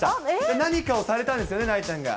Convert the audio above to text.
何かをされたんですよね、なえちゃんが。